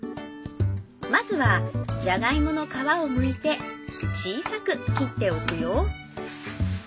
まずはじゃがいもの皮をむいて小さく切っておくよ。